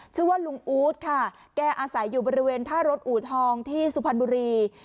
ชื่อว่าลุงอู๊ดค่ะแกอาศัยอยู่บริเวณท่ารถอูทองที่สุพรรณบุรี